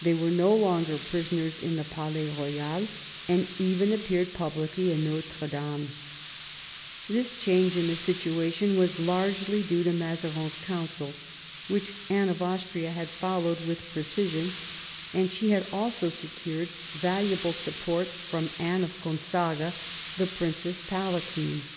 They were no longer prisoners in the Palais Royal, and even appeared publicly in Notre Dama This change in the situation was largely due to Mazarin's counsels, which Anne of Austria had followed with precision ; and she had also secured valuable support from Anne of Gonzagua, the Princess Palatine.